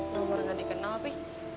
nomor gak dikenal pi